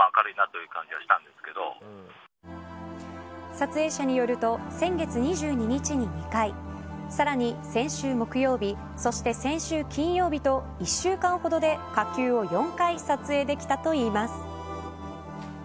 撮影者によると先月２２日に２回さらに、先週木曜日そして先週金曜日と１週間ほどで火球を４回撮影できたといいます。